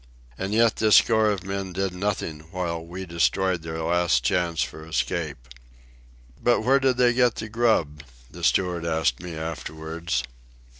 And yet this score of men did nothing while we destroyed their last chance for escape. "But where did they get the grub?" the steward asked me afterwards.